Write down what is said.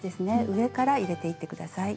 上から入れていって下さい。